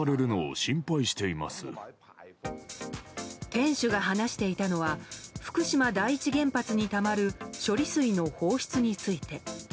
店主が話していたのは福島第一原発にたまる処理水の放出について。